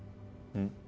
うん？